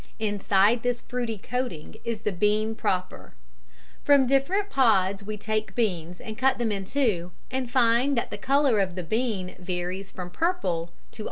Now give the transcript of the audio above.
Inside this fruity coating is the bean proper. From different pods we take beans and cut them in two, and find that the colour of the bean varies from purple almost to white.